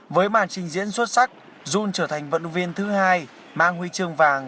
với màn trình diễn xuất sắc jun trở thành vận viên thứ hai mang huy chương vàng